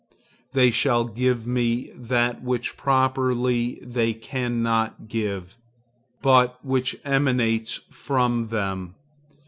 They shall give me that which properly they cannot give, but which emanates from them.